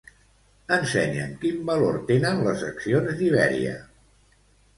Ensenya'm quin valor tenen les accions d'Iberia.